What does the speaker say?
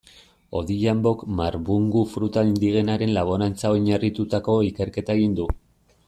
Odhiambok marbungu fruta indigenaren laborantzan oinarritututako ikerketa egin du.